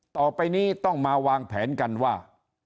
ต่อไปนี้ต้องมาวางแผนกันว่า